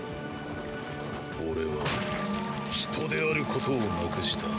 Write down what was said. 俺は人であることをなくした。